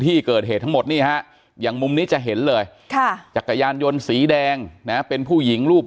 ที่เกิดเหตุทั้งหมดนี่ฮะอย่างมุมนี้จะเห็นเลยจักรยานยนต์สีแดงนะเป็นผู้หญิงรูป